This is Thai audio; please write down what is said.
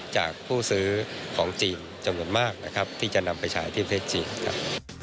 จากผู้ซื้อของจีนจำนวนมากนะครับที่จะนำไปฉายที่ประเทศจีนครับ